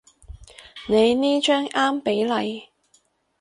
你呢張啱比例